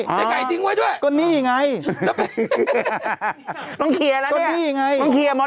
ไปไข่ทิ้งไว้ด้วยก็นี่ไงต้องเคลียร์แล้วเนี้ยต้องเคลียร์ต้องเคลียร์